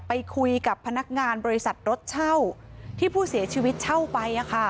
ไปคุยกับพนักงานบริษัทรถเช่าที่ผู้เสียชีวิตเช่าไป